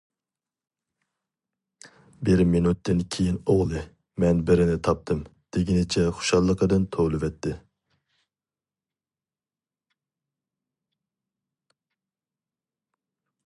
بىر مىنۇتتىن كېيىن ئوغلى:-مەن بىرنى تاپتىم-دېگىنىچە خۇشاللىقىدىن توۋلىۋەتتى.